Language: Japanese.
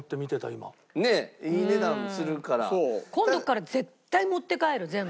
今度から絶対持って帰る全部。